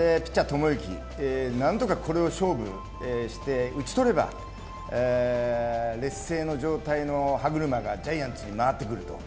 何とかこれを勝負して打ち取れば、劣勢の状態の歯車がジャイアンツに回ってくると。